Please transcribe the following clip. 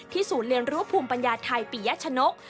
ศูนย์เรียนรู้ภูมิปัญญาไทยปียชนก